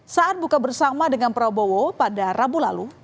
saat buka bersama dengan prabowo pada rabu lalu